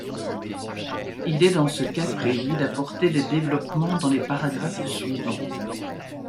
Il est dans ce cas prévu d'apporter des développements dans les paragraphes suivants.